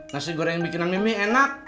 nasi goreng bikinan mimi enak